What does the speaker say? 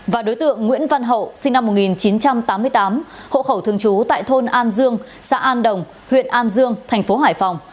và đối tượng nguyễn văn hậu sinh năm một nghìn chín trăm tám mươi tám hộ khẩu thường trú tại thôn an dương xã an đồng huyện an dương thành phố hải phòng